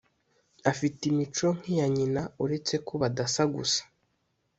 afite imico nk’iya nyina uretse ko badasa gusa